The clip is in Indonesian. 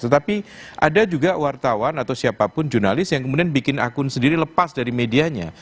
tetapi ada juga wartawan atau siapapun jurnalis yang kemudian bikin akun sendiri lepas dari medianya